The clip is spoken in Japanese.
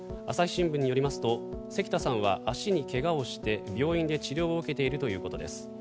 朝日新聞によりますと関田さんは足に怪我をして病院で治療を受けているということです。